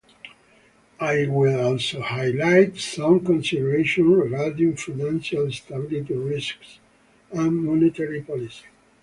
I will also highlight some considerations regarding financial stability risks and monetary policy.